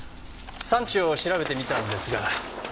産地を調べてみたんですが。